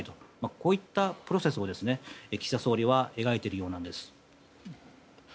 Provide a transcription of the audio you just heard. こういったプロセスを岸田総理は描いているようなんです。